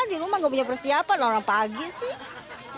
di rumah gak punya persiapan orang pagi sih